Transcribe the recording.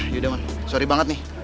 yaudah mon sorry banget nih